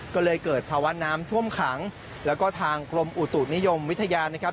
ก็เลยเกิดภาวะน้ำท่วมขังแล้วก็ทางกรมอุตุนิยมวิทยานะครับ